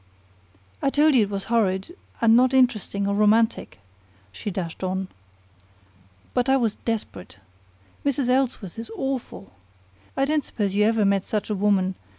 "I told you it was horrid, and not interesting or romantic," she dashed on. "But I was desperate. Mrs. Ellsworth is awful! I don't suppose you ever met such a woman.